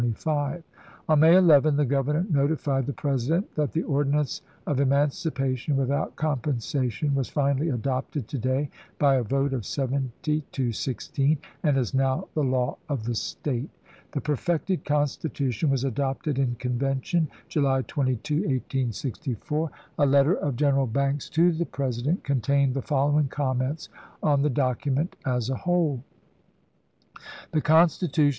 On May 11, the Governor notified the President that " the ordinance of eman cipation without compensation was finally adopted to day by a vote of seventy to sixteen, and is now the law of the State." The perfected constitution was adopted in Convention July 22, 1864. A letter of General Banks to the President contained the following comments on the document as a whole :" The constitution